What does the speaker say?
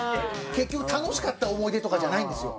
結局楽しかった思い出とかじゃないんですよ。